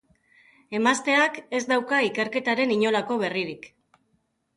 Emazteak ez dauka ikerketaren inolako berririk.